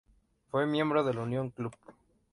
Fue miembro del Union Club.